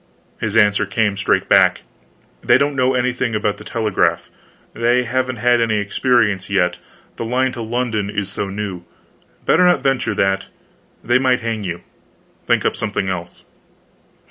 His answer came straight back: "They don't know anything about the telegraph; they haven't had any experience yet, the line to London is so new. Better not venture that. They might hang you. Think up something else."